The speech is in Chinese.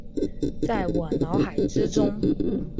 在我脑海之中